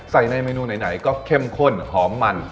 ในเมนูไหนก็เข้มข้นหอมมัน